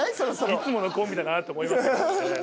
いつものコンビだなと思いますけどね。